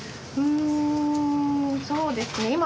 んそうですね。